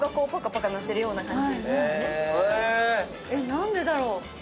何でだろ？